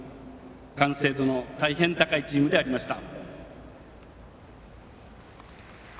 完成度の大変高いチームでありました。